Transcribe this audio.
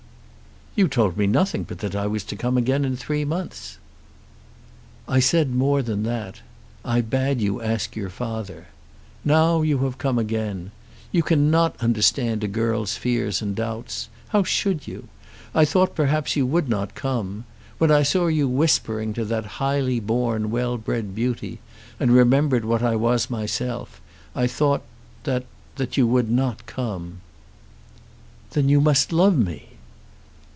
"You told me nothing but that I was to come again in three months." "I said more than that. I bade you ask your father. Now you have come again. You cannot understand a girl's fears and doubts. How should you? I thought perhaps you would not come. When I saw you whispering to that highly born well bred beauty, and remembered what I was myself, I thought that you would not come." "Then you must love me."